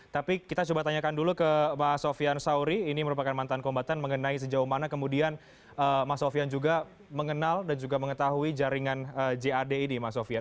tapi kita coba tanyakan dulu ke mas sofian sauri ini merupakan mantan kombatan mengenai sejauh mana kemudian mas sofian juga mengenal dan juga mengetahui jaringan jad ini mas sofian